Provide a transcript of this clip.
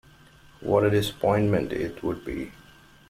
What a disappointment it would be!